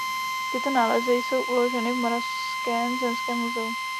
Tyto nálezy jsou uloženy v Moravském zemském muzeu.